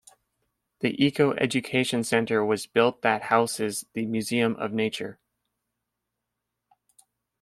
The Eco Education Center was built that houses the Museum of Nature.